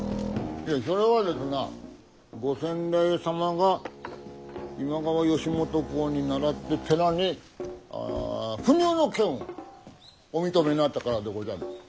いやひょれはですなご先代様が今川義元公に倣って寺にあ不入の権をお認めになったからでごじゃる。